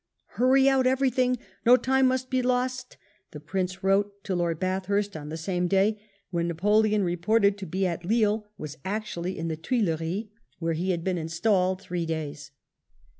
"Hurry out everything : no time must be lost," the Prince wrote to Loixl Bathurst on the same day, when Napoleon, re ported to be at Lille, was actually in the Tuileries, where IX WELLINGTON ARRIVES IN BELGIUM, 205 he had been installed three days.